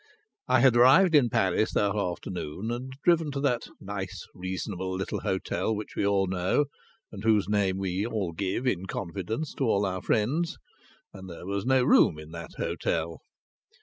I had arrived in Paris that afternoon, and driven to that nice, reasonable little hotel which we all know, and whose name we all give in confidence to all our friends; and there was no room in that hotel.